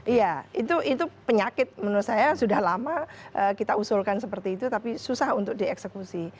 iya itu penyakit menurut saya sudah lama kita usulkan seperti itu tapi susah untuk dieksekusi